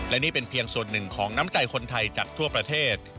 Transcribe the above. และนี่เป็นเพียงส่วนหนึ่งของน้ำใจคนไทยจากทั่วประเทศ